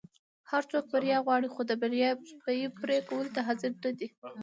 هر څوک بریا غواړي خو د بریا بیی پری کولو ته حاضر نه دي.